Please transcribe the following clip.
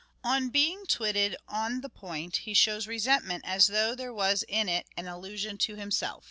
On being twitted on the point he shows resentment as though there was in it an allusion to himself.